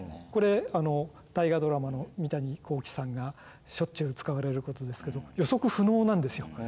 これ「大河ドラマ」の三谷幸喜さんがしょっちゅう使われることですけど予測不能なんですよ。